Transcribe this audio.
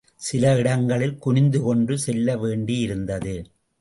சில இடங்களில் குனிந்துகொண்டு செல்ல வேண்டியிருந்தது.